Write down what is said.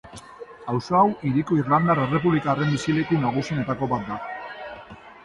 Auzo hau hiriko irlandar errepublikarren bizileku nagusienetako bat da.